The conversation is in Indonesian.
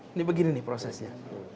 ini begini nih prosesnya